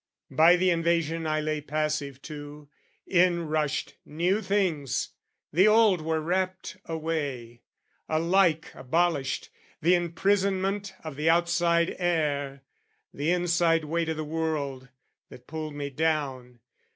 By the invasion I lay passive to, In rushed new things, the old were rapt away; Alike abolished the imprisonment Of the outside air, the inside weight o' the world That pulled me down.